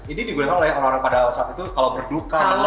ini digunakan oleh orang orang pada saat itu kalau berduka